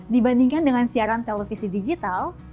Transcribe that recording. dibandingkan dengan siaran televisi digital